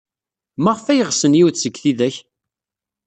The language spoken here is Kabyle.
Maɣef ay ɣsen yiwet seg tidak?